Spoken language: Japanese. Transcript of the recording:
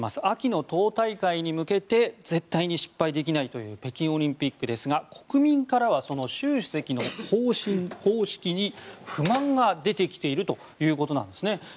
秋の党大会に向けて絶対に失敗できないという北京オリンピックですが国民からはその習主席の方針、方式に不満が出てきているということなんですね。